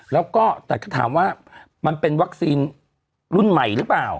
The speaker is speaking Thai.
แล้วก็แต่ก็ถามว่ามันเป็นวัคซีนรุ่นใหม่หรือเปล่า